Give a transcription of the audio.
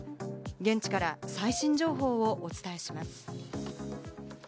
現地から最新情報をお伝えします。